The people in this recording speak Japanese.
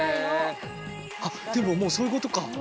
あっでももうそういうことか。